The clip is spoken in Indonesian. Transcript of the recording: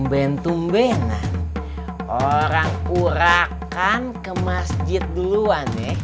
kalau di toko orang kurakan ke masjid dulu ya